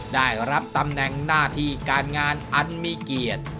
ได้รับตำแหน่งหน้าที่การงานอันมีเกียรติ